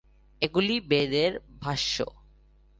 এগুলি বেদের ভাষ্য।